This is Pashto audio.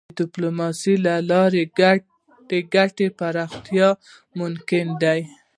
د ډيپلوماسی له لارې د ګډو ګټو پراختیا ممکنه ده.